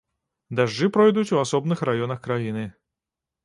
Дажджы пройдуць у асобных раёнах краіны.